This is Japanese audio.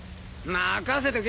任せとけ。